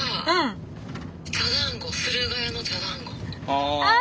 ああ！